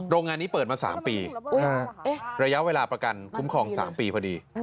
โรงงานนี้เปิดมา๓ปีระยะเวลาประกันคุ้มครอง๓ปีพอดี